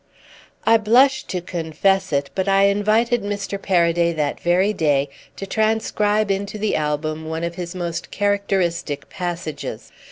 I blush to confess it, but I invited Mr. Paraday that very day to transcribe into the album one of his most characteristic passages.